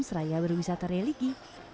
seraya berwisata religi